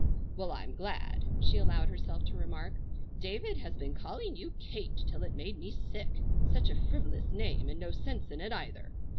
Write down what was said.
"Well, I'm glad!" she allowed herself to remark. "David has been calling you 'Kate' till it made me sick, such a frivolous name and no sense in it either.